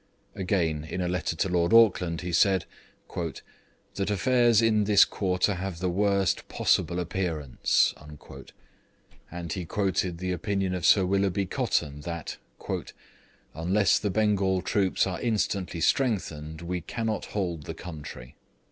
Again, in a letter to Lord Auckland, he said 'that affairs in this quarter have the worst possible appearance' and he quoted the opinion of Sir Willoughby Cotton, that 'unless the Bengal troops are instantly strengthened we cannot hold the country.'